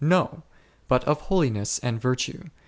No ! but of holiness and virtue.